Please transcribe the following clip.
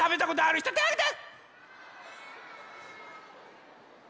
ひとてあげて！